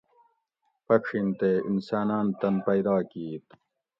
پڄھین تے انساناۤن تن پیدا کیت